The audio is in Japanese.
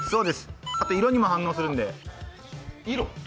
あと、色にも反応するんで。